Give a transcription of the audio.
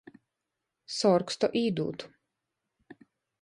Sorgs to īdūtu.